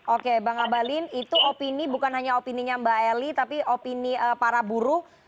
oke bang abalin itu opini bukan hanya opininya mbak eli tapi opini para buruh